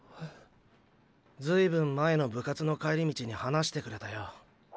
ずい分前の部活の帰り道に話してくれたよ。